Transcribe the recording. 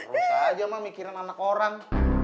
harus aja emak mikirin anak orang